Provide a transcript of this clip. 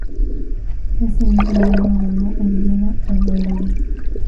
Ese mismo año ganó en Viena a Doyle.